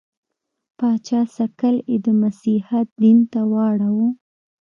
پاچا سکل یې د مسیحیت دین ته واړاوه.